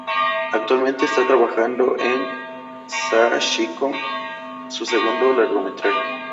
Actualmente está trabajando en Sachiko, su segundo largometraje.